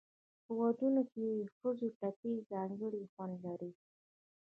په ودونو کې د ښځو ټپې ځانګړی خوند لري.